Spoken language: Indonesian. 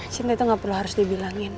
cinta itu gak perlu harus dibilangin